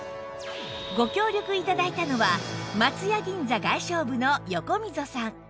ご協力頂いたのは松屋銀座外商部の横溝さん